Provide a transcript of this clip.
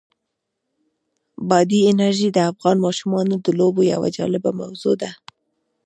بادي انرژي د افغان ماشومانو د لوبو یوه جالبه موضوع ده.